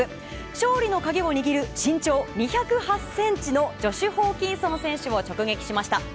勝利の鍵を握る身長２０８ｃｍのジョシュ・ホーキンソン選手を取材しました。